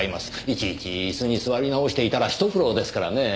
いちいち椅子に座り直していたら一苦労ですからねぇ。